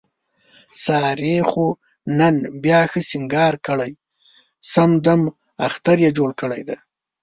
سارې خو نن بیا ښه سینګار کړی، سم دمم اختر یې جوړ کړی دی.